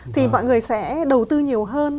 thì mọi người sẽ đầu tư nhiều hơn